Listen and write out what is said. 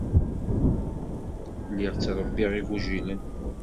Lliɣ ttṛebbiɣ igujilen.